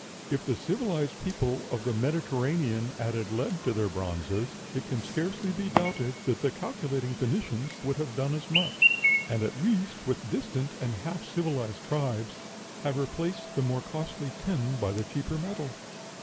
If the civilized people of the Mediterranean added lead to their bronzes, it can scarcely be doubted that the calculating Phoenicians would have done as much, and, at least, with distant and half civilized tribes, have replaced the more costly tin by the cheaper metal....